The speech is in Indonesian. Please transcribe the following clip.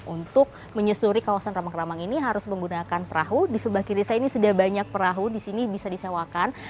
untuk menyusuri kawasan ramang ramang ini harus menggunakan perahu di sebagian desa ini sudah banyak perahu disini bisa disewakan